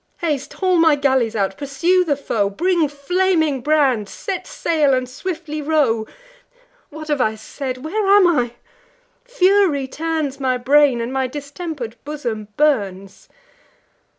Haste, haul my galleys out! pursue the foe! Bring flaming brands! set sail, and swiftly row! What have I said? where am I? Fury turns My brain; and my distemper'd bosom burns.